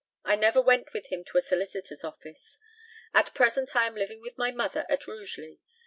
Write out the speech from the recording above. I never went with him to a solicitor's office. At present I am living with my mother at Rugeley.